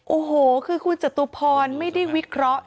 โอ้โหคือคุณจตุพรไม่ได้วิเคราะห์